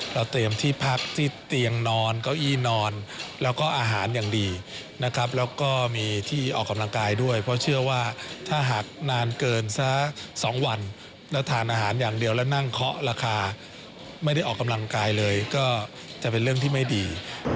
เราเตรียมที่พักที่เตียงนอนเก้าอี้นอนแล้วก็อาหารอย่างดีนะครับแล้วก็มีที่ออกกำลังกายด้วยเพราะเชื่อว่าถ้าหากนานเกินสัก๒วันแล้วทานอาหารอย่างเดียวแล้วนั่งเคาะราคาไม่ได้ออกกำลังกายเลยก็จะเป็นเรื่องที่ไม่ดี